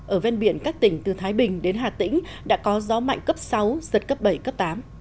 ở ven biển các tỉnh từ thái bình đến hà tĩnh đã có gió mạnh cấp sáu giật cấp bảy cấp tám